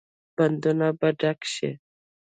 بندونه به ډک شي؟